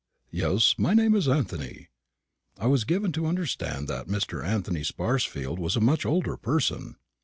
"Yes, my name is Anthony." "I was given to understand that Mr. Anthony Sparsfield was a much older person."